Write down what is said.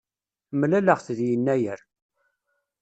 Mlaleɣ-t deg yennayer.